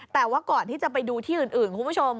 แต่ว่าก่อนที่จะไปดูที่อื่นคุณผู้ชม